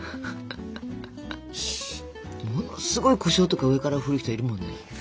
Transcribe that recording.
すごいコショウとか上から振る人いるもんね。